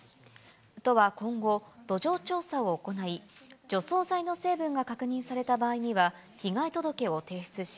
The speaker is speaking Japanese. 都は今後、土壌調査を行い、除草剤の成分が確認された場合には、被害届を提出し、